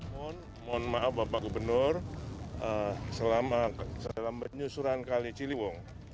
mohon maaf bapak gubernur dalam penyusuran kali ciliwung